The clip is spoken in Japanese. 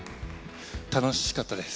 楽しかったです。